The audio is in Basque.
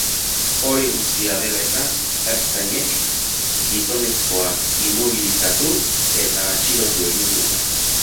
Hori guztia dela eta, ertzainek gizonezkoa inmobilizatu eta atxilotu egin zuten.